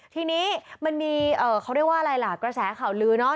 ทีนี้มันมีเขาเรียกว่าอะไรล่ะกระแสข่าวลือเนาะ